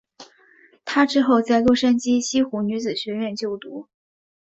她之后在洛杉矶西湖女子学院就读。